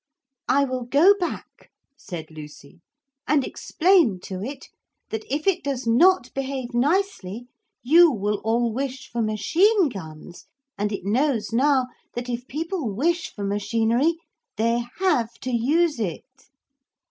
'I will go back,' said Lucy, 'and explain to it that if it does not behave nicely you will all wish for machine guns, and it knows now that if people wish for machinery they have to use it.